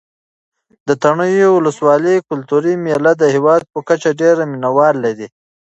د تڼیو ولسوالۍ کلتوري مېلې د هېواد په کچه ډېر مینه وال لري.